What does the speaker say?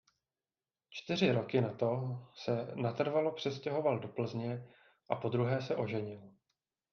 Čtyři roky na to se natrvalo přestěhoval do Plzně a podruhé se oženil.